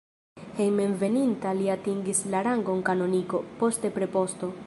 Hejmenveninta li atingis la rangon kanoniko, poste preposto.